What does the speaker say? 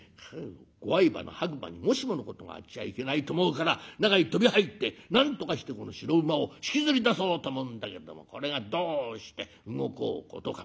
ご愛馬の白馬にもしものことがあっちゃいけないと思うから中へ飛び入ってなんとかしてこの白馬を引きずり出そうと思うんだけどもこれがどうして動こうことか。